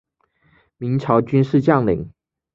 明朝军事将领。